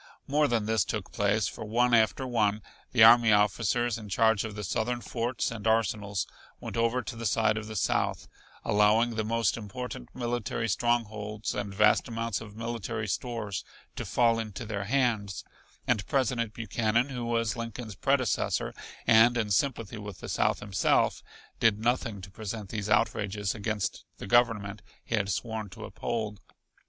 More than this took place, for one after one the army officers in charge of the Southern forts and arsenals went over to the side of the South, allowing the most important military strongholds and vast amounts of military stores to fall into their hands, and President Buchanan, who was Lincoln's predecessor, and in sympathy with the South himself, did nothing to prevent these outrages against the Government he had sworn to uphold.